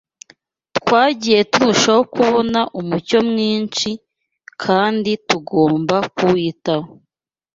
Twagiye turushaho kubona umucyo mwinshi, kandi tugomba kuwitaho